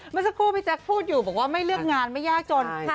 เมื่อสักครู่พี่แจ๊คพูดอยู่บอกว่าไม่เลือกงานไม่ยากจน